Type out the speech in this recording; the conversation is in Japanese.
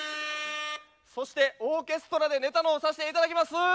そしてオーケストラでネタのほうさせて頂きます！